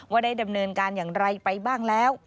ว่าได้ดำเนินการอย่างไรไปบ้างแล้ว